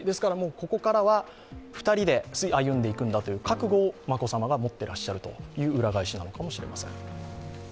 ここからは２人で歩んでいくんだという覚悟を持っていらっしゃる裏返しなのかもしれません。